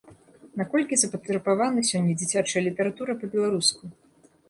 Наколькі запатрабавана сёння дзіцячая літаратура па-беларуску?